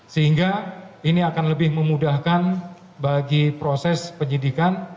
sehingga ini akan lebih memudahkan bagi proses penyidikan